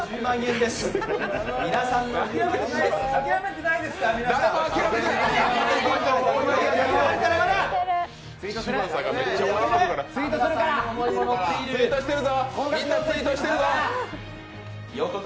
みんなツイートしてるぞ。